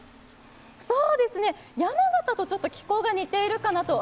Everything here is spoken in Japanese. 山形とちょっと気候が似ているかなと。